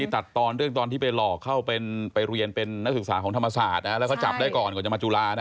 ตัดตอนเรื่องตอนที่ไปหลอกเข้าไปเรียนเป็นนักศึกษาของธรรมศาสตร์แล้วก็จับได้ก่อนก่อนจะมาจุฬานะ